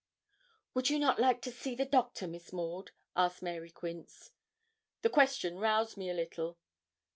'Would not you like to see the Doctor, Miss Maud?' asked Mary Quince. The question roused me a little.